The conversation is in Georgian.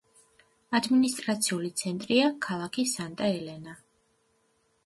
ადმინისტრაციული ცენტრია ქალაქი სანტა-ელენა.